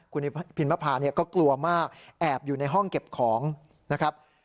คุณพิมพาเนี่ยก็กลัวมากแอบอยู่ในห้องเก็บของนะครับ